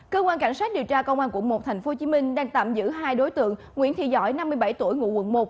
cơ quan cảnh sát điều tra công an quận một tp hcm đang tạm giữ hai đối tượng nguyễn thị giỏi năm mươi bảy tuổi ngụ quận một